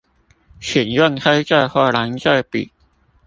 請用黑色或藍色筆